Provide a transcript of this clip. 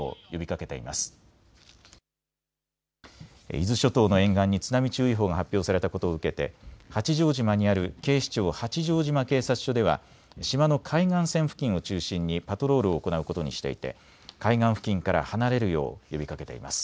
伊豆諸島の沿岸に津波注意報が発表されたことを受けて八丈島にある警視庁八丈島警察署では島の海岸線付近を中心にパトロールを行うことにしていて海岸付近から離れるよう呼びかけています。